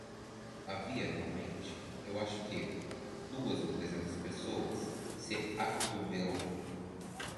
Havia realmente? Eu acho que? duas ou trezentas pessoas se acotovelam.